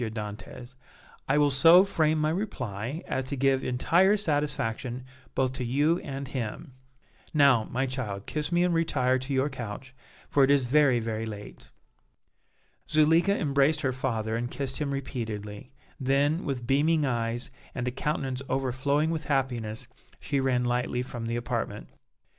Dantès, "I will so frame my reply as to give entire satisfaction both to you and him. Now, my child, kiss me and retire to your couch, for it is very, very late." Zuleika embraced her father and kissed him repeatedly; then, with beaming eyes and a countenance overflowing with happiness she ran lightly from the apartment.